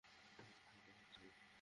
ছেলেটা সত্যিই ভালো ছিল।